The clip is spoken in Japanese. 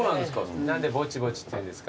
何でぼちぼちっていうんですか？